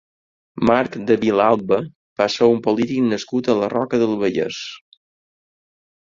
Marc de Vilalba va ser un polític nascut a la Roca del Vallès.